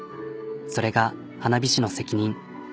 それが花火師の責任。